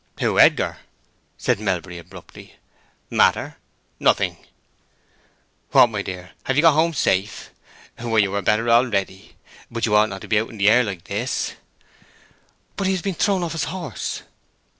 "Who—Edgar?" said Melbury, abruptly. "Matter? Nothing. What, my dear, and have you got home safe? Why, you are better already! But you ought not to be out in the air like this." "But he has been thrown off his horse!"